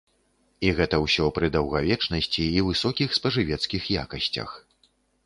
І гэта ўсё пры даўгавечнасці і высокіх спажывецкіх якасцях.